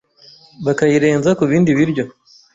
bakayirenza ku bindi biryo,